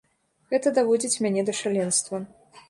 Гэта даводзіць мяне да шаленства.